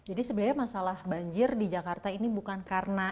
jadi sebenernya masalah banjir di jakarta ini bukan karena